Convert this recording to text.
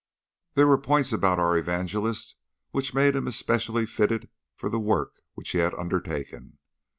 There were points about our evangelist which made him especially fitted for the work which he had undertaken.